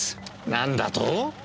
何だと！？